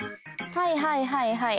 はいはいはいはい。